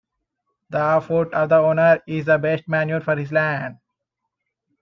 The foot of the owner is the best manure for his land.